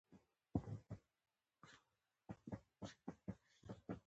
احمد په غره کې لاره پرې کړه.